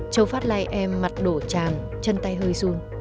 châu phát lai em mặt đổ tràm chân tay hơi run